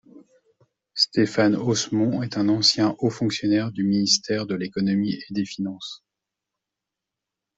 Stéphane Osmont est un ancien haut fonctionnaire du ministère de l'Economie et des Finances.